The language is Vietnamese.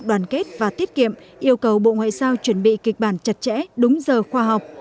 đoàn kết và tiết kiệm yêu cầu bộ ngoại giao chuẩn bị kịch bản chặt chẽ đúng giờ khoa học